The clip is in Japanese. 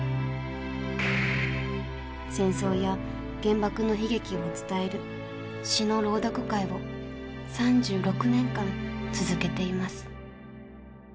戦争や原爆の悲劇を伝える詩の朗読会を３６年間続けています。